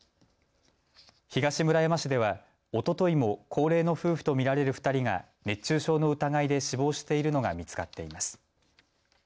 東村山市ではおとといも高齢の夫婦と見られる２人が熱中症の疑いで死亡しているのが見つかっています。